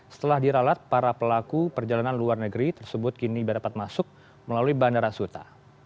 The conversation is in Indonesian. setelah diralat para pelaku perjalanan luar negeri tersebut kini berdapat masuk melalui bandara suta